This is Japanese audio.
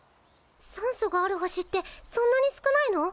酸素がある星ってそんなに少ないの？